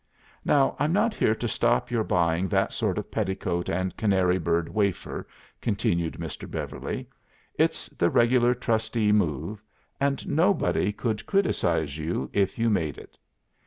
'Now I'm not here to stop your buying that sort of petticoat and canary bird wafer,' continued Mr. Beverly. 'It's the regular trustee move, and nobody could criticise you if you made it.